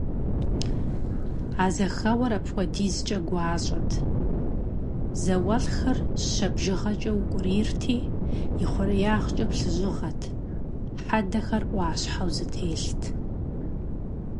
А зэхэуэр апхуэдизкӏэ гуащӏэт, зауэлӏхэр щэ бжыгъэкӏэ укӏурийрти, ихъуреягъкӏэ плъыжьыгъэт, хьэдэхэр ӏуащхьэу зэтелът.